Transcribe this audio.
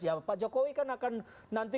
ya pak jokowi kan akan nanti